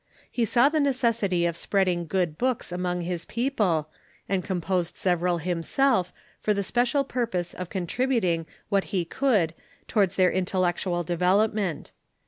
He saw the necessity of spreading good books among his peo ple, and composed several himself, for the special purpose of contributing Avhat he could towards their intellectual develop ment.